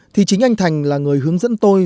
thì chính anh thành là người hướng dẫn tôi